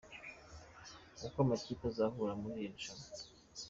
Uko amakipe azahura mu iri rushanwa .